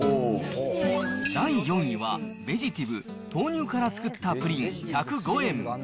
第４位は、ベジティブ豆乳からつくったプリン１０５円。